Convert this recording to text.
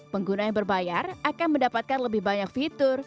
pengguna yang berbayar akan mendapatkan lebih banyak fitur